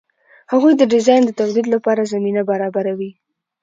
هغوی د ډیزاین د تولید لپاره زمینه برابروي.